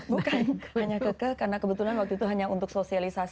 bukan hanya keke karena kebetulan waktu itu hanya untuk sosialisasi